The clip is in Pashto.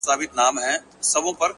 ز ماپر حا ل باندي ژړا مه كوه;